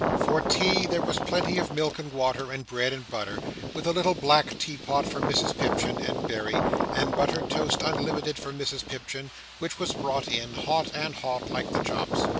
For tea there was plenty of milk and water, and bread and butter, with a little black tea pot for Mrs Pipchin and Berry, and buttered toast unlimited for Mrs Pipchin, which was brought in, hot and hot, like the chops.